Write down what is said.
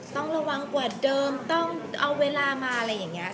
ต้องระวังกว่าเดิมต้องเอาเวลามา